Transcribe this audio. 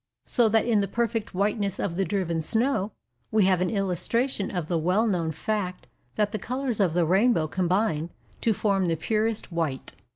So that in the perfect whiteness of the driven snow we have an illustration of the well known fact that the colours of the rainbow combine to form the purest white.